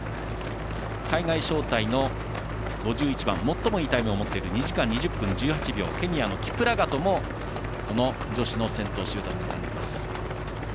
海外招待の最もいいタイムを持っている２時間２０分１８秒ケニアのキプラガトもこの女子の先頭集団の中にいます。